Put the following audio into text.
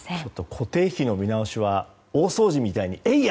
固定費の見直しは大掃除みたいにえいや！